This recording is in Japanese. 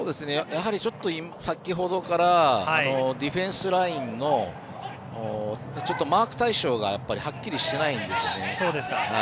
先ほどからディフェンスラインのマーク対象がはっきりしないんですよね。